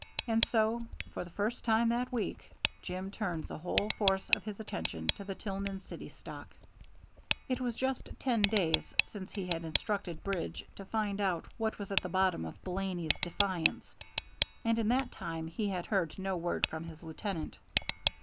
And so, for the first time that week, Jim turned the whole force of his attention to the Tillman City stock. It was just ten days since he had instructed Bridge to find out what was at the bottom of Blaney's defiance, and in that time he had heard no word from his lieutenant.